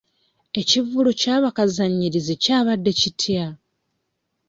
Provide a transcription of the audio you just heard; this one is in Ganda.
Ekivvulu kya bakazanyiikirizi kyabadde kitya?